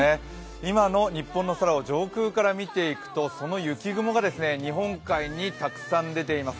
今の日本の空を上空から見ていくとその雪雲が日本海にたくさん出ています。